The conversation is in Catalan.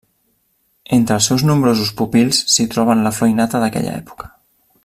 Entre els seus nombrosos pupils s'hi troben la flor i nata d'aquella època.